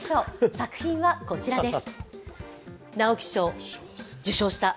作品はこちらです。